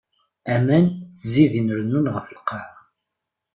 Aman ttzidin rennun ɣef lqaɛa.